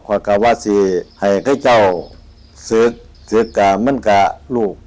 ก็ก็ว่าสิให้ไก่เจ้าสืบสืบกับมันกับลูก